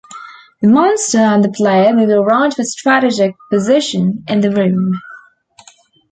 The monster and the player move around for strategic position in the room.